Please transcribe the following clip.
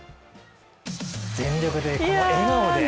全力で、この笑顔で。